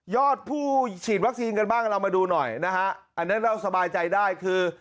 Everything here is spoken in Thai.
ผู้ฉีดวัคซีนกันบ้างเรามาดูหน่อยนะฮะอันนั้นเราสบายใจได้คือ